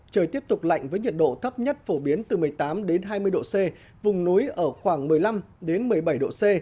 trời tiếp tục lạnh với nhiệt độ thấp nhất phổ biến từ một mươi tám hai mươi độ c vùng núi ở khoảng một mươi năm một mươi bảy độ c